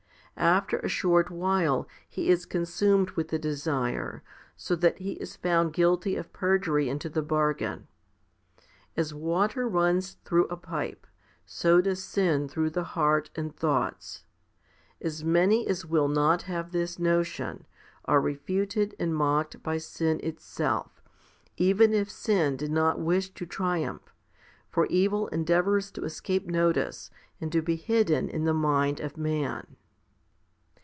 After a short while he is consumed with the desire, so that he is found guilty of perjury into the bargain. As water runs through a pipe, so does sin through the heart and thoughts. As many as will not have this notion, are refuted and mocked by sin itself, even if sin did not wish to triumph ; for evil endeavours to escape notice and to be hidden in the mind of man.